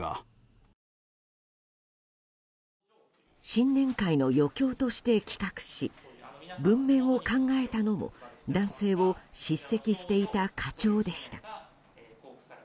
新年会の余興として企画し文面を考えたのも男性を叱責していた課長でした。